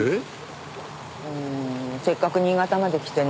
うーんせっかく新潟まで来てね